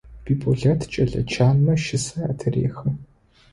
Биболэт кӏэлэ чанмэ щысэ атырехы.